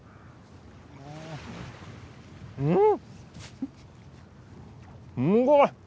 うん！